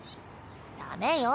ダメよ。